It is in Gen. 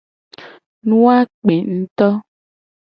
Nu a kpe nguto.